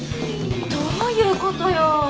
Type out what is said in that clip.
どういうことよ？